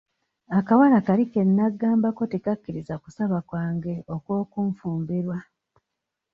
Akawala kali ke naggambako tekakkiriza kusaba kwange okw'okunfumbirwa.